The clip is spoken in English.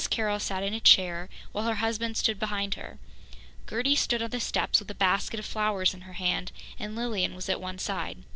Carroll sat in a chair, while her husband stood behind her. Gertie stood on the steps with a basket of flowers in her hand, and Lilian was at one side.